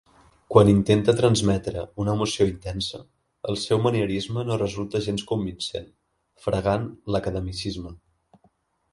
Quan intenta transmetre una emoció intensa, el seu manierisme no resulta gens convincent, fregant l'academicisme.